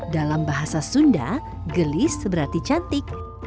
dalam bahasa sunda gelis berarti cantik